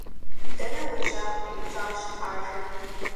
- Дэнэ уежьа? - къеупщӏащ ажэр.